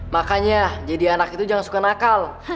makanya jadi anak itu jangan suka nakal